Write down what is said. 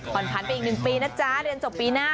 ผ่านไปอีก๑ปีนะจ๊ะเรียนจบปีหน้า